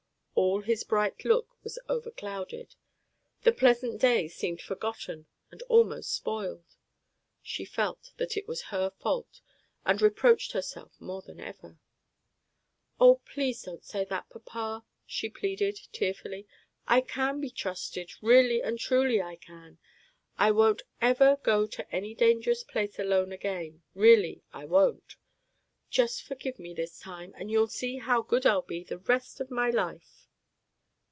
All his bright look was overclouded, the pleasant day seemed forgotten and almost spoiled. She felt that it was her fault, and reproached herself more than ever. "Oh, please don't say that, papa," she pleaded, tearfully. "I can be trusted, really and truly I can. I won't ever go to any dangerous place alone again, really I won't. Just forgive me this time, and you'll see how good I'll be all the rest of my life."